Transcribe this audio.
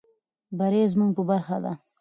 بري زموږ په برخه ده.